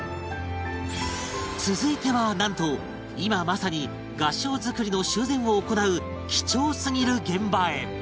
続いてはなんと今まさに合掌造りの修繕を行う貴重すぎる現場へ